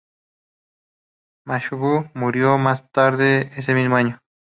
Masanobu murió más tarde ese mismo año.